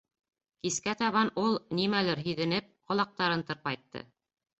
Кискә табан ул, нимәлер һиҙенеп, ҡолаҡтарын тырпайтты.